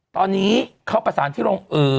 ตอนนี้เขาประสานที่โรง